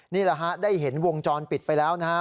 นี่แหละฮะได้เห็นวงจรปิดไปแล้วนะฮะ